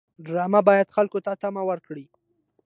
ډرامه باید خلکو ته تمه ورکړي